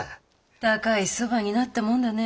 高いそばになったもんだね。